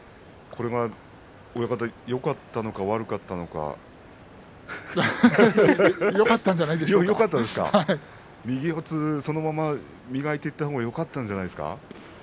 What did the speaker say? これが親方よかったんじゃ右四つそのまま磨いていった方がよかったんじゃないですか。